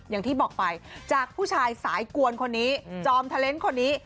อย่างที่บอกไปจากผู้ชายสายกวนคนนี้จอมเทอร์เลนส์คนนี้